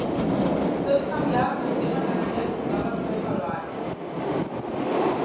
Tots canviaven de tema tan aviat posava els peus al bar.